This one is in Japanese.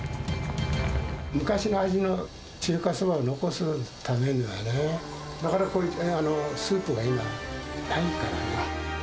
昔の味の中華そばを残すためにはね、なかなかこういうスープが今ないから。